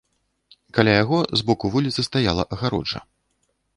Каля яго з боку вуліцы стаяла агароджа.